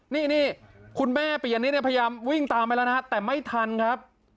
นี่คุณแม่ปียะนิดเนี่ยพยายามวิ่งตามไปแล้วนะฮะแต่ไม่ทันครับ